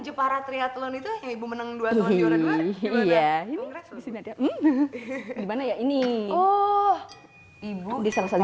jepara triathlon itu yang ibu menang dua tahun juara dua iya ini gimana ya ini oh ibu diselesaikan